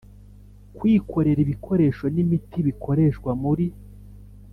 kwikorera ibikoresho n imiti bikoreshwa muri